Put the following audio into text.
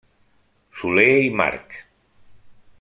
Soler i March.